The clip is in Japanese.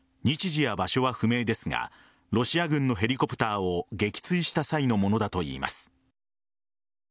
日時や場所は不明ですがロシア軍のヘリコプターを撃墜した際のものだといいます。